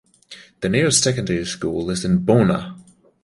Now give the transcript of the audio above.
The nearest secondary school is in Boonah.